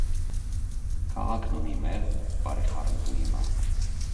Քաղաքն ունի մեղմ, բարեխառն կլիմա։